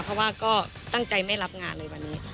เพราะว่าก็ตั้งใจไม่รับงานเลยวันนี้